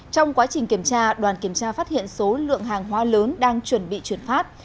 trong quá trình kiểm tra đoàn kiểm tra phát hiện số lượng hàng hóa lớn đang chuẩn bị chuyển phát